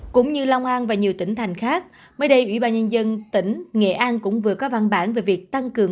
cũng như long an và nhiều tỉnh thành khác mới đây ubnd tỉnh nghệ an cũng vừa có văn bản về việc tăng cường